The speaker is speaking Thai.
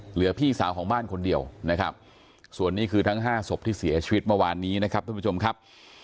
เหลือพี่สาวของบ้านคนเดียวนะครับส่วนนี้คือทั้งห้าศพที่เสียชีวิตเมื่อวานนี้นะครับท่านผู้ชมครับ